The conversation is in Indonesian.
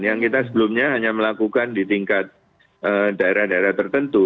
yang kita sebelumnya hanya melakukan di tingkat daerah daerah tertentu